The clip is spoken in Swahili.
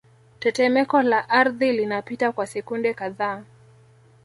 Tetemeko la ardhi linapita kwa sekunde kadhaa